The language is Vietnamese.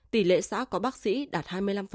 tỷ lệ xã có bác sĩ đạt hai mươi năm